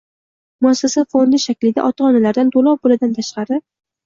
Muassasa fondi shaklida ota-onalardan to‘lov pulidan tashqari